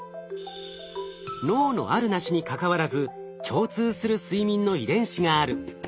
脳のあるなしにかかわらず共通する睡眠の遺伝子がある。